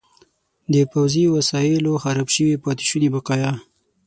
د پوځي وسایلو خراب شوي پاتې شوني بقایا.